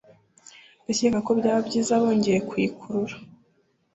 Ndakeka ko byaba byiza bongeye kuyikurura